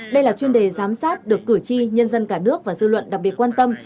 đây là chuyên đề giám sát được cử tri nhân dân cả nước và dư luận đặc biệt quan tâm